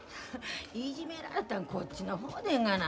いじめられたんこっちの方でんがな。